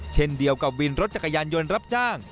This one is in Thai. เช่นเดียวกับวินรถจักรยานยนต์รับจ้าง